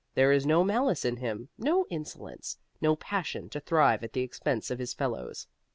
There is no malice in him, no insolence, no passion to thrive at the expense of his fellows.